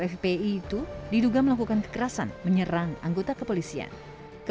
kepala baris krim komisaris jenderal agus andrianto menetapkan enam anggota laskar front pembela islam fpi